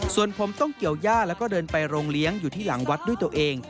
ส่วนผมต้องเกี่ยวย่าแล้วก็เดินไปโรงเลี้ยงอยู่ที่หลังวัดด้วยตัวเอง